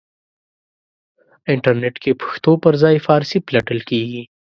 انټرنېټ کې پښتو پرځای فارسی پلټل کېږي.